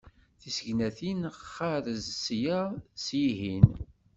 Tisegnatin xarez sya s yihin.